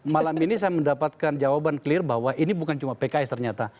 malam ini saya mendapatkan jawaban clear bahwa ini bukan cuma pks ternyata